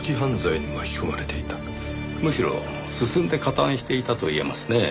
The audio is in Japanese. むしろ進んで加担していたと言えますねぇ。